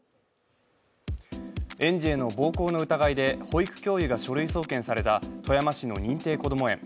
園児への暴行の疑いで保育教諭が書類送検された富山市の認定こども園。